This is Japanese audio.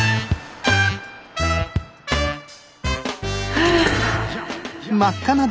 はあ。